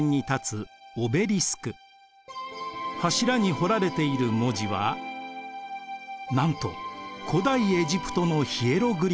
柱に彫られている文字はなんと古代エジプトのヒエログリフです。